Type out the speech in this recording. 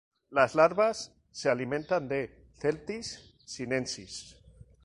Las larvas se alimentan de "Celtis sinensis".